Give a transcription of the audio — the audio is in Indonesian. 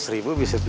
sebelum kita pulang